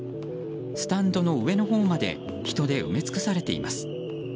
スタンドの上のほうまで人で埋め尽くされています。